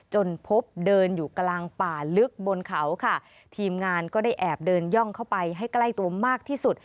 จนพบเดินอยู่กลางป่าลึกบนเขาค่ะทีมงานก็ได้แอบเดินย่องเข้าไปให้ใกล้ตัวมากที่สุด